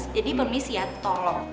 jadi permisi ya tolong